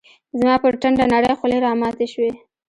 زما پر ټنډه نرۍ خولې راماتي شوې